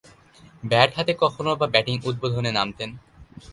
Bat হাতে কখনোবা batting উদ্বোধনে নামতেন।